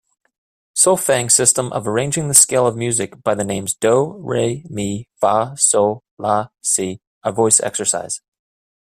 Solfaing system of arranging the scale of music by the names do, re, mi, fa, sol, la, si a voice exercise.